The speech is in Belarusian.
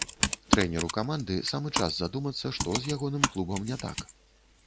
Трэнеру каманды самы час задумацца, што з ягоным клубам не так.